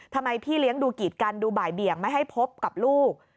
พี่เลี้ยงดูกีดกันดูบ่ายเบี่ยงไม่ให้พบกับลูก